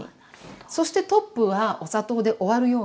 そしてトップはお砂糖で終わるように。